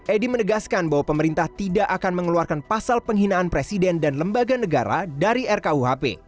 edi menegaskan bahwa pemerintah tidak akan mengeluarkan pasal penghinaan presiden dan lembaga negara dari rkuhp